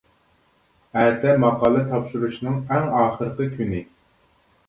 ئەتە ماقالە تاپشۇرۇشنىڭ ئەڭ ئاخىرقى كۈنى.